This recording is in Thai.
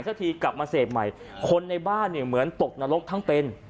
สักทีกลับมาเสพใหม่คนในบ้านเนี่ยเหมือนตกนรกทั้งเป็น